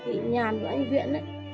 vài gầy của bà nguyễn thị xính